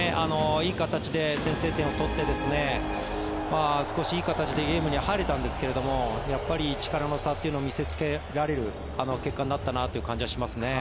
いい形で先制点を取って少しいい形でゲームには入れたんですがやっぱり力の差というのを見せつけられる結果になったなという感じはしますね。